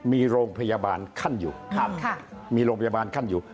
มีโรงพยาบาลคั่นอยู่ครับค่ะมีโรงพยาบาลคั่นอยู่